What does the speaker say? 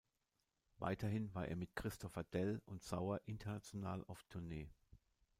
Weiterhin war er mit Christopher Dell und Sauer international auf Tournee.